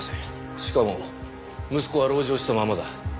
しかも息子は籠城したままだ。